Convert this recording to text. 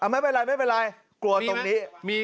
ไม่เป็นไรกลัวตรงนี้